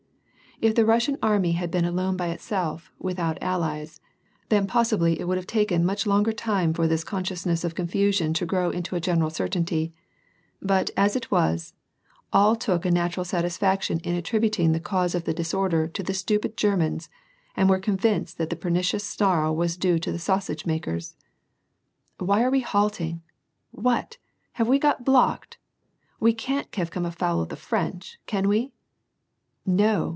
If the Russian army had been alone by itself, without allies, then possibly it would have taken much longer time for this consciousness of confusion to grow into a general certainty ; but, as it was, all took a nat ural satisfaction in attributing the cause of the disorder to the stupid Grermans, and were convinced that the pernicious snarl was due to the sausage makers !"* Why are we halting ? What ? Have we got blocked f We can't have come afoul of the French, can we ?"*» No